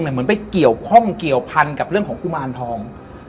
เหมือนไปเกี่ยวข้องเกี่ยวพันกับเรื่องของกุมารทอง